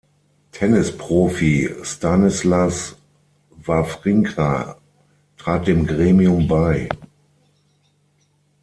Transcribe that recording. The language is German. Tennis-Profi Stanislas Wawrinka trat dem Gremium bei.